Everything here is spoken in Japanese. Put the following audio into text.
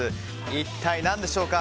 一体何でしょうか。